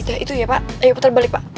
ya itu ya pak ayo putar balik pak